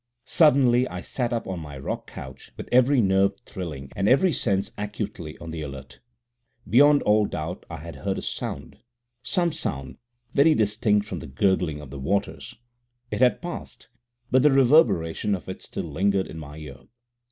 Suddenly I sat up on my rock couch, with every nerve thrilling and every sense acutely on the alert. Beyond all doubt I had heard a sound some sound very distinct from the gurgling of the waters. It had passed, but the reverberation of it still lingered in my ear.